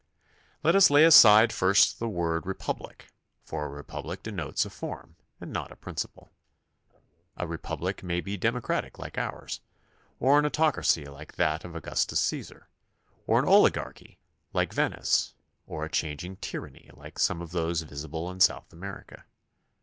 Let us lay aside first the word republic, for a republic denotes a form and not a principle. A re public may be democratic like ours, or an autocracy like that of Augustus Caesar, or an oligarchy like Venice, or a changing tyranny like some of those visible in South America.